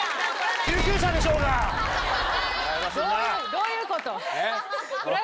どういうこと？